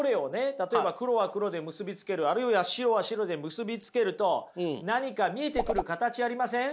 例えば黒は黒で結び付けるあるいは白は白で結び付けると何か見えてくる形ありません？